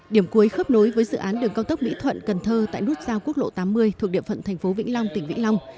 điểm cuối khớp nối với dự án đường cao tốc mỹ thuận cần thơ tại nút giao quốc lộ tám mươi thuộc địa phận thành phố vĩnh long tỉnh vĩnh long